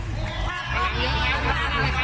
ขอทั่วนี้หน่อยครับ